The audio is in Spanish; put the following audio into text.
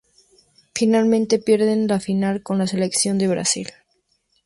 Finalmente pierden la final con la Selección de Brasil.